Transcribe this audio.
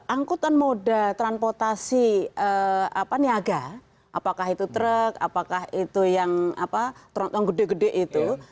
angkutan moda transportasi niaga apakah itu truk apakah itu yang gede gede itu